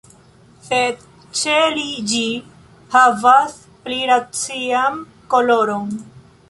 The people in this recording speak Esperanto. Sed ĉe li ĝi havas pli racian koloron.